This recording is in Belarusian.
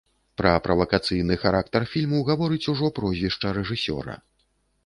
Пра правакацыйны характар фільму гаворыць ужо прозвішча рэжысёра.